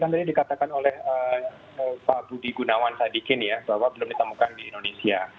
jadi katakan oleh pak budi gunawan sadikin ya bahwa belum ditemukan di indonesia